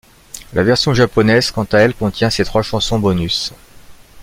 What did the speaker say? La version japonaise, quant à elle contient ces trois chansons bonus.